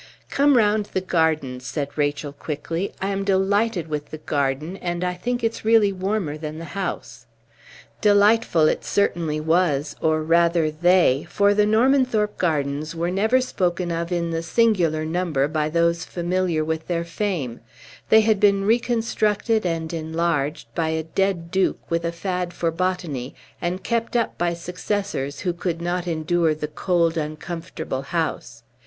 "Come round the garden," said Rachel, quickly. "I am delighted with the garden, and I think it's really warmer than the house." Delightful it certainly was, or rather they, for the Normanthorpe gardens were never spoken of in the singular number by those familiar with their fame; they had been reconstructed and enlarged by a dead duke with a fad for botany, and kept up by successors who could not endure the cold, uncomfortable house.